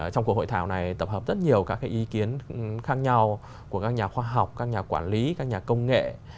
trong cuộc hội thảo này tập hợp rất nhiều các ý kiến khác nhau của các nhà khoa học các nhà quản lý các nhà công nghệ